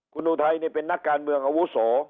คุณอุทัยเป็นนักการเมืองอาวุโส